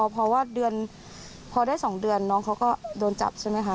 พอได้๒เดือนน้องเขาก็โดนจับใช่ไหมคะ